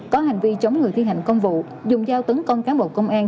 có hành vi chống người thi hành công vụ dùng dao tấn công cán bộ công an